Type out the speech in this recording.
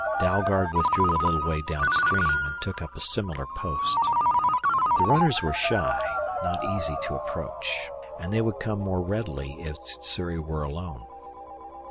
Dalgard withdrew a little way downstream and took up a similar post. The runners were shy, not easy to approach. And they would come more readily if Sssuri were alone.